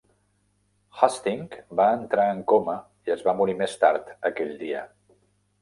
Husting va entrar en coma i es va morir més tard aquell dia.